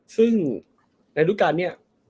ซึ่งในรุ๊บการเนี่ย